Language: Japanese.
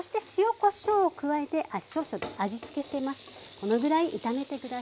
このぐらい炒めて下さい。